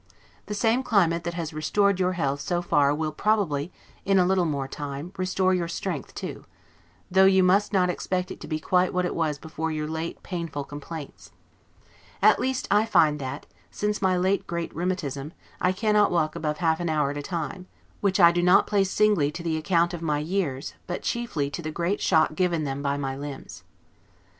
The same climate that has restored your health so far will probably, in a little more time, restore your strength too; though you must not expect it to be quite what it was before your late painful complaints. At least I find that, since my late great rheumatism, I cannot walk above half an hour at a time, which I do not place singly to the account of my years, but chiefly to the great shock given then to my limbs.